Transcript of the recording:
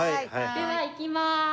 ではいきます。